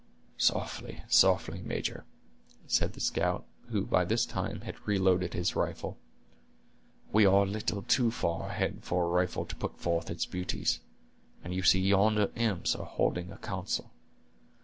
"Softly, softly, major," said the scout, who by this time had reloaded his rifle; "we are a little too far already for a rifle to put forth its beauties, and you see yonder imps are holding a council.